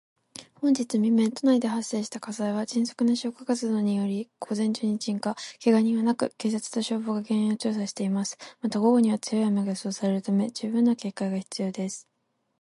本日未明、都内で発生した火災は、迅速な消火活動により午前中に鎮火。けが人はなく、警察と消防が原因を調査しています。また、午後には強い雨が予想されるため、十分な警戒が必要です。